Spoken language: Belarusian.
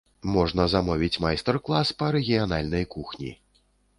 Можна замовіць майстар-клас па рэгіянальнай кухні.